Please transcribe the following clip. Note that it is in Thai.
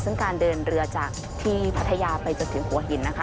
ซึ่งการเดินเรือจากที่พัทยาไปจนถึงหัวหินนะคะ